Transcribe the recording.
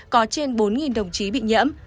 có trên bốn đồng chí bị nhiễm